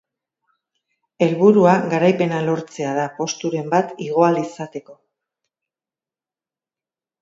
Helburua garaipena lortzea da posturen bat igo ahal izateko.